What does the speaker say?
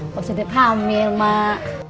positif hamil mak